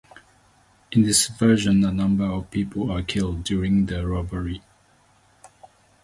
In this version a number of people are killed during the robbery.